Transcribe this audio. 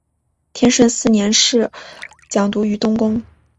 天顺四年侍讲读于东宫。